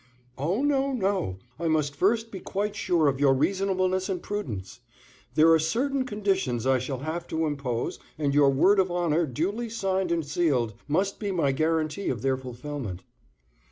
"Oh, no, no; I must first be quite sure of your reasonableness and prudence. There are certain conditions I shall have to impose, and your word of honor duly signed and sealed, must be my guarantee of their fulfilment."